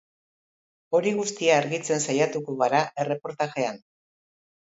Hori guztia argitzen saiatuko gara erreportajean.